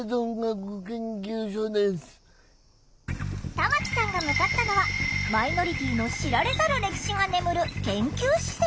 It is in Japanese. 玉木さんが向かったのはマイノリティーの知られざる歴史が眠る研究施設。